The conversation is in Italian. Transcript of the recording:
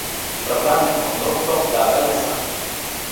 Il programma è condotto da Lele Sacchi.